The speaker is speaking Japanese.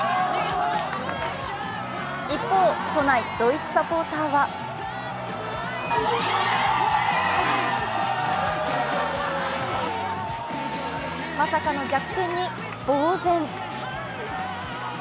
一方、都内ドイツサポーターはまさかの逆転に、ぼう然。